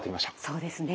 そうですね。